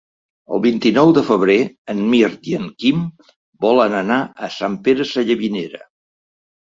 El vint-i-nou de febrer en Mirt i en Quim volen anar a Sant Pere Sallavinera.